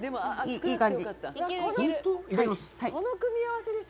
いい感じ。